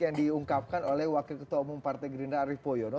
yang diungkapkan oleh wakil ketua umum partai gerindra arief poyono